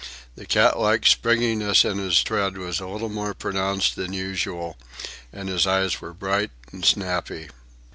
The cat like springiness in his tread was a little more pronounced than usual, and his eyes were bright and snappy.